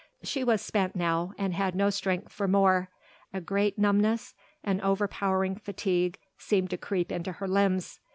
She was spent now, and had no strength for more; a great numbness, an overpowering fatigue seemed to creep into her limbs.